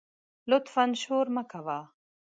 لطفآ شور مه کوه